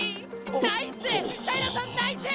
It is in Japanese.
ナイス！